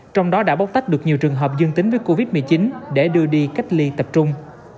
trong đó đã bóc tách được nhiều trường hợp dương tính với covid một mươi chín để đưa đi cách ly tập trung